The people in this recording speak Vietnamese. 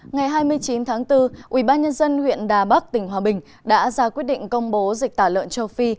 ngày hai mươi chín tháng bốn ubnd huyện đà bắc tỉnh hòa bình đã ra quyết định công bố dịch tả lợn châu phi